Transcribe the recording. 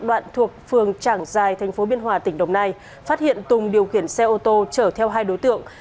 đoạn thuộc phường trảng giài thành phố biên hòa tỉnh đồng nai phát hiện tùng điều khiển xe ô tô chở theo hai đối tượng